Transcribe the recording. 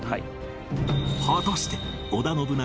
果たして織田信長